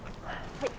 はい。